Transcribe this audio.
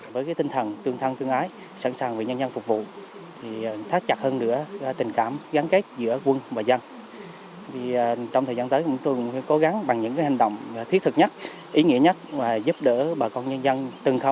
với tinh thần tương thân tương ái sẵn sàng với nhân dân phục vụ thác chặt hơn nữa tình cảm gắn kết giữa quân và dân